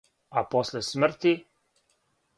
А после смрти?